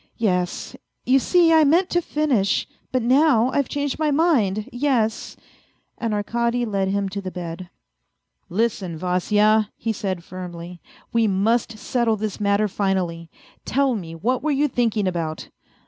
Yes ! you see I meant to finish, but now I've changed my mind, yes. ..." And Arkady led him to the bed. A FAINT HEART 191 " Listen, Vasya," he said firmly, " we must settle this matter finally. Tell me what were you thinking about